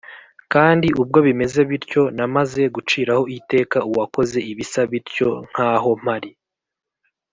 kandi ubwo bimeze bityo, namaze guciraho iteka uwakoze ibisa bityo nk'aho mpari;